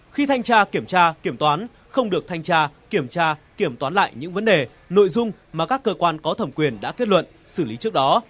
khi thanh tra kiểm tra kiểm toán không được thanh tra kiểm tra kiểm toán lại những vấn đề nội dung mà các cơ quan có thẩm quyền đã kết luận xử lý trước đó